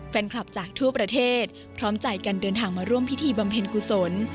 แฟนคลับจากทั่วประเทศพร้อมใจกันเดินทางมาร่วมพิธีบำเพ็ญกุศล